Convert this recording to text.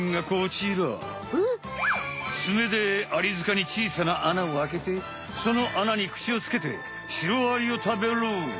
ツメでアリ塚に小さな穴をあけてその穴に口をつけてシロアリを食べる。